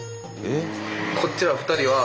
こっちは２人は。